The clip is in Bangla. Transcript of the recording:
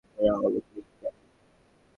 এরা হলো গ্রীক জাতি।